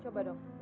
isa tau ibu